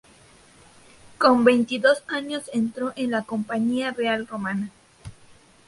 Con veintidós años entró en la Compañía Real Romana.